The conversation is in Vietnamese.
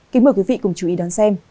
kính mời quý vị cùng chú ý đón xem